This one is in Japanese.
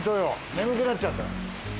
眠くなっちゃった。